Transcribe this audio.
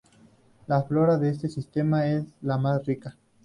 La flora de este sistema es de las más ricas.